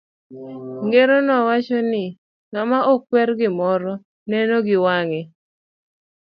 Ng'ero no wacho ni, ng'ama ok kwer gimoro, neno gi wange.